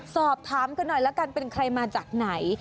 สอบถามกันหน่อยละกันเป็นใครมาจากไหน